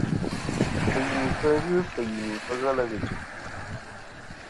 Fɨyinifɨ ghɨ fɨyinìfɨ ghelɨ ghɨ jɨ̀m.